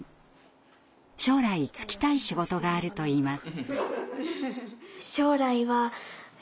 将来就きたい仕事があるといいます。